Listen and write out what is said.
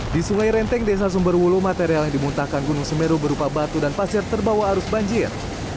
di sungai renteng desa sumberwulu material yang dimuntahkan gunung semeru berupa batu dan pasir terbawa arus banjir